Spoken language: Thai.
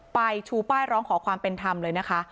ชูป้ายร้องขอความเป็นธรรมเลยนะคะ